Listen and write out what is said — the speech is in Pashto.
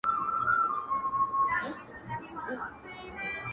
• په زحمت چي پکښي اخلمه ګامونه -